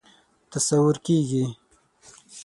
تصور کېږي.